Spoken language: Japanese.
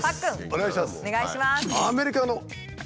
お願いします。